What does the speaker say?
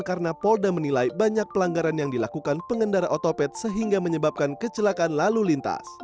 karena polda menilai banyak pelanggaran yang dilakukan pengendara otopet sehingga menyebabkan kecelakaan lalu lintas